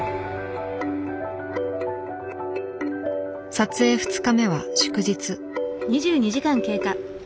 撮影２日目は祝日。